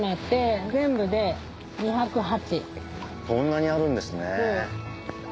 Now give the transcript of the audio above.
そんなにあるんですね。